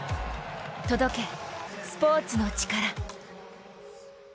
届け、スポーツのチカラ。